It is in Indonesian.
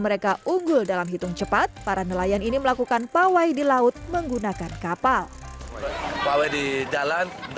mereka unggul dalam hitung cepat para nelayan ini melakukan pawai di laut menggunakan kapal pawai di jalan